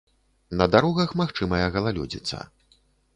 На дарогах магчымая галалёдзіца.